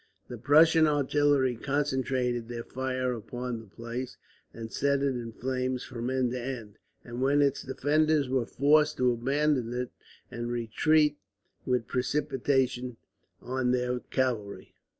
The Prussian artillery concentrated their fire upon the place, and set it in flames from end to end; when its defenders were forced to abandon it, and retreat with precipitation on their cavalry.